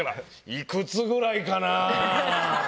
いくつくらいかなぁ？